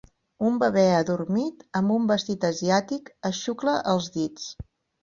Un bebè adormit, amb un vestit asiàtic, es xucla els dits.